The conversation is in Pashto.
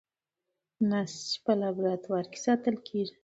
نسج په لابراتوار کې ساتل کېږي.